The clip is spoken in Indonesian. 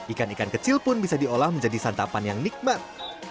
ikan ikan kecil pun bisa diolah menjadi santapan yang nikmat